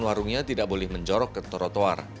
warungnya tidak boleh menjorok ke trotoar